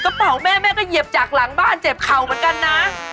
กระเป๋าแม่แม่ก็เหยียบจากหลังบ้านเจ็บเข่าเหมือนกันนะ